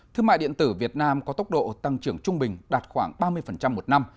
thương mại điện tử việt nam có tốc độ tăng trưởng trung bình đạt khoảng ba mươi một năm